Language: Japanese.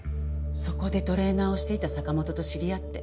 そこでトレーナーをしていた坂本と知り合って。